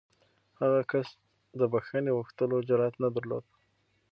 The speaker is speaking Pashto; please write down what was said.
هغه کس د بښنې غوښتلو جرات نه درلود.